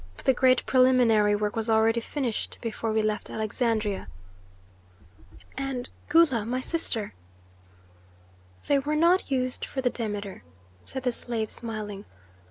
But the great preliminary work was already finished before we left Alexandria." "And Gula my sister?" "They were not used for the Demeter," said the slave, smiling.